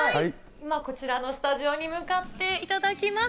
今、こちらのスタジオに向かっていただきます。